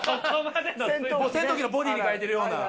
戦闘機のボディーに描いてるような。